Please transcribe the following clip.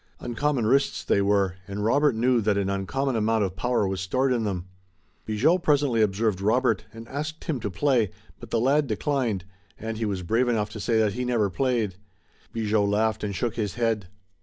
Uncommon wrists they were, and Robert knew that an uncommon amount of power was stored in them. Bigot presently observed Robert, and asked him to play, but the lad declined, and he was brave enough to say that he never played. Bigot laughed and shook his head.